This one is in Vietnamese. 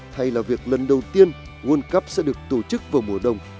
thay là việc lần đầu tiên world cup sẽ được tổ chức vào mùa đông